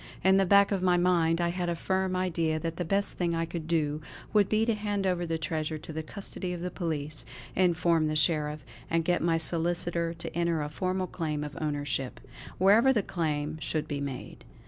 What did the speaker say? In the back of my mind I had a firm idea that the best thing I could do would be to hand over the treasure to the custody of the police; inform the Sheriff; and get my solicitor to enter a formal claim of ownership, wherever the claim should be made.